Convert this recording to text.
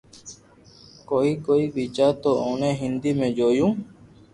ڪوئي ڪوئي بچيا تو اوڻي ھنڌي ۾ جويو